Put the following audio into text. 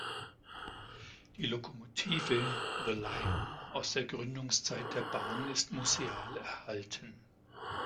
Die Lokomotive The Lion aus der Gründungszeit der Bahn ist museal erhalten.